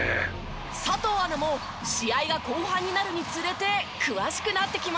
佐藤アナも試合が後半になるにつれて詳しくなってきました。